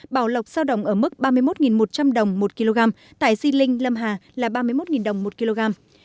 bảo lộc sao đồng ở mức ba mươi một một trăm linh đồng một kg tại di linh lâm hà là ba mươi một đồng một kg